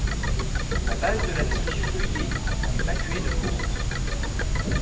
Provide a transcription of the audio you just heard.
La base de la tige feuillée est maculée de pourpre.